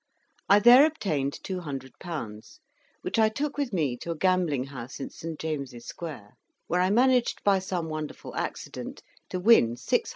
I there obtained 200£., which I took with me to a gambling house in St. James' Square, where I managed, by some wonderful accident, to win 600£.